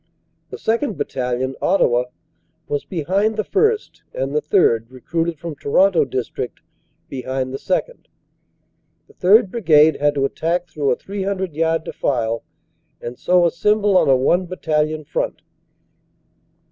The 2nd. Battalion, Ottawa, was behind the 1st. and the 3rd., recruited from Toronto district, behind the 2nd. The 3rd. Brigade had to attack through a 300 yard defile, and so assem ble on a one battalion front.